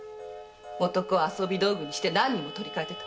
男を遊び道具にして何人も取りかえてた。